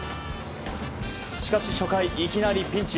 しかし初回、いきなりピンチ。